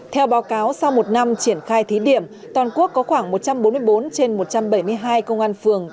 theo báo cáo sau một năm triển khai thí điểm toàn quốc có khoảng một trăm bốn mươi bốn trên một trăm bảy mươi hai công an phường